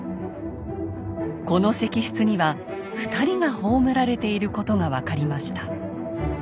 この石室には２人が葬られていることが分かりました。